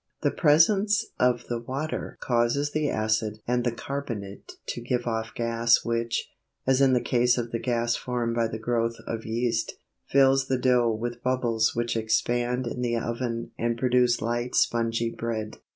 The presence of the water causes the acid and the carbonate to give off gas which, as in the case of the gas formed by the growth of yeast, fills the dough with bubbles which expand in the oven and produce light spongy bread.